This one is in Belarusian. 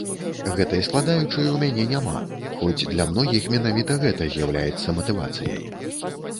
Гэтай складаючай у мяне няма, хоць для многіх менавіта гэта з'яўляецца матывацыяй.